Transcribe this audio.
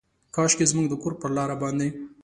کاشکي زموږ د کور پر لاره باندې،